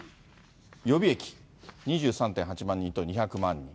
予備役２３．８万人と２００万人。